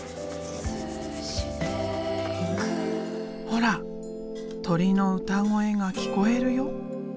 ほら鳥の歌声が聞こえるよ。